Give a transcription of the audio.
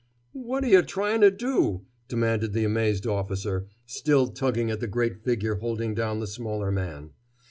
"What're yuh tryin' to do?" demanded the amazed officer, still tugging at the great figure holding down the smaller man.